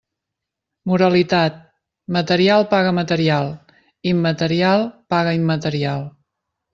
Moralitat: material paga material, immaterial paga immaterial.